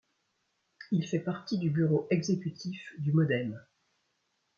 Il fait partie du Bureau exécutif du MoDem.